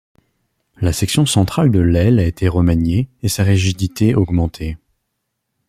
La section centrale de l'aile a été remaniée et sa rigidité augmentée.